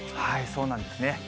そうなんですね。